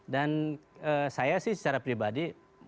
saya sih secara pribadi